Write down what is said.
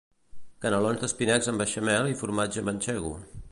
Canalons d'espinacs amb beixamel i formatge mantxego